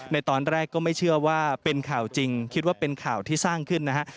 ในตอนแรกก็ไม่เชื่อว่าเป็นข่าวจริงคิดว่าเป็นข่าวที่สร้างขึ้นนะฮะ